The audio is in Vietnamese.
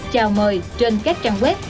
chào mời trên các trang web